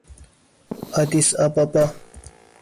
آدیس آبابا